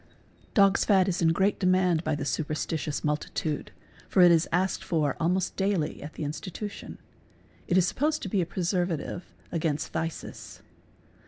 Dog's fat is in great demand by the super stitious multitude, for it is asked for almost daily at the institution ; it is supposed to be a preservative against phthisis.